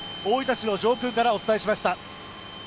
大分市の上空からお伝えしました。